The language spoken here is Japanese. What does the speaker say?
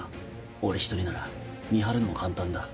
俺１人なら見張るのも簡単だ。